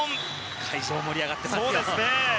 会場盛り上がっていますよ。